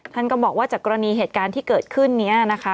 ท่านก็บอกว่าจากกรณีเหตุการณ์ที่เกิดขึ้นนี้นะคะ